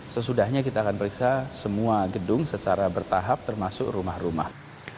sesudahnya kita akan periksa semua gedung secara bertahap termasuk rumah rumah